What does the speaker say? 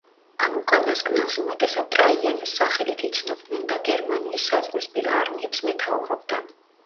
ამ უკანასკნელს უმეტესად ტრაიანეს სახელით იცნობდნენ და გერმანიის საზღვრისპირა არმიებს მეთაურობდა.